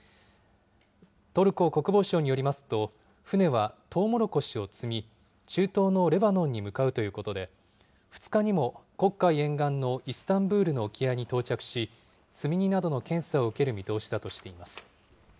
トルコ国防省によりますと、船はトウモロコシを積み、中東のレバノンに向かうということで、２日にも黒海沿岸のイスタンブールの沖合に到着し、積み荷などの検査を受ける見通しだとしています。